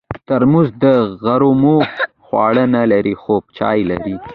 ترموز د غرمو خواړه نه لري، خو چای لري.